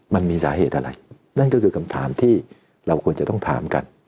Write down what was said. มันมีสาเหตุอะไรนั่นก็คือคำถามที่เราควรจะต้องถามกัน